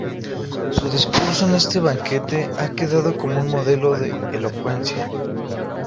Su discurso en este banquete ha quedado como un modelo de elocuencia.